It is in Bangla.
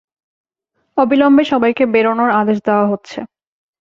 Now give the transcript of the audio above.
অবিলম্বে সবাইকে বেরোনোর আদেশ দেওয়া হচ্ছে।